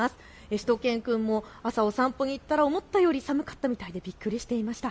しゅと犬くんも朝お散歩に行ったら思ったより寒くてびっくりしていました。